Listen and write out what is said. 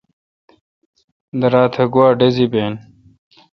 درا تہ گوا ڈزی بین؟